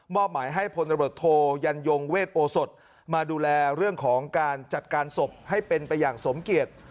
หมายให้พลตำรวจโทยันยงเวทโอสดมาดูแลเรื่องของการจัดการศพให้เป็นไปอย่างสมเกียจ